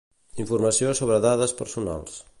Informació sobre dades personals